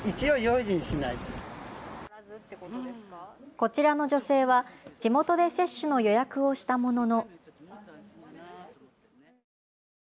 こちらの女性は地元で接種の予約をしたものの。